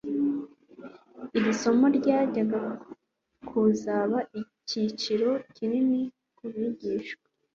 Iri somo ryajyaga kuzaba icy'igiciro kinini ku bigishwa.